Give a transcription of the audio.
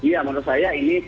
ya menurut saya ini